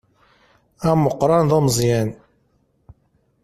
Ameqqan d umeẓẓyan.